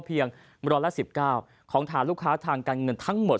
เพียงร้อยละ๑๙ของฐานลูกค้าทางการเงินทั้งหมด